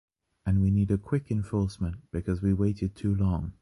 And we need a quick enforcement, because we waited too long.